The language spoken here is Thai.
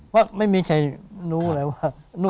ว่าไม่มีใครรู้เลยว่า